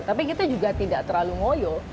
tapi kita juga tidak terlalu ngoyo